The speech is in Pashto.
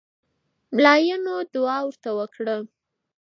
ملاینو دعا ورته وکړه.